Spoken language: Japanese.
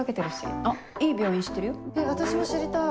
えっ私も知りたい。